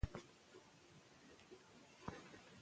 ډیانا اینز وايي ژوند یې د واکسین له امله ښه شوی.